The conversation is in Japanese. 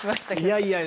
いやいや。